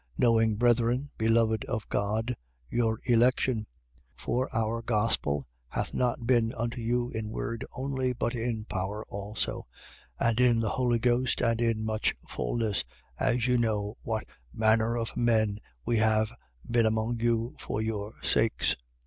1:4. Knowing, brethren, beloved of God, your election: 1:5. For our gospel hath not been unto you in word only, but in power also: and in the Holy Ghost and in much fulness, as you know what manner of men we have been among you for your sakes.